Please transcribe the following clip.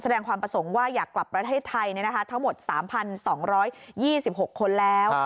แสดงความประสงค์ว่าอยากกลับประเทศไทยทั้งหมด๓๒๒๖คนแล้ว